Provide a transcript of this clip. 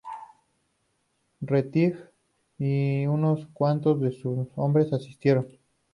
Retief y unos cuantos de sus hombres asistieron.